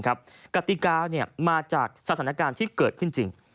กติกามาจากสถานการณ์ที่เกิดขึ้นจริง